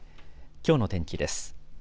きょうの天気です。